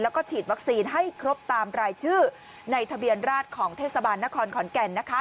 แล้วก็ฉีดวัคซีนให้ครบตามรายชื่อในทะเบียนราชของเทศบาลนครขอนแก่นนะคะ